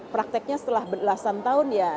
prakteknya setelah belasan tahun ya